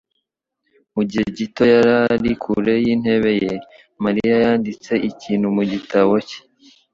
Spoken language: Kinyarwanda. Mu gihe gito yari kure yintebe ye, Mariya yanditse ikintu mu gitabo cye.